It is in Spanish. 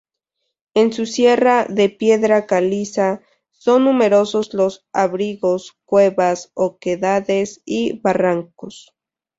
En su sierra, de piedra caliza, son numerosos los abrigos, cuevas, oquedades y barrancos.